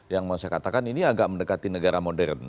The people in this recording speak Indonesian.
yang mau saya katakan ini agak mendekati negara modern